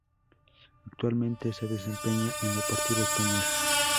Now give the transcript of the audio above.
Actualmente se desempeña en Deportivo Español.